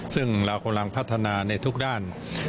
ซึ่งเรากำลังพัฒนาในทุกด้าน